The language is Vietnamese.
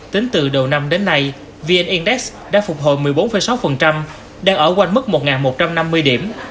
tính từ đầu năm đến nay vn index đã phục hồi một mươi bốn sáu đang ở quanh mức một một trăm năm mươi điểm